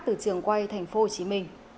từ trường quay tp hcm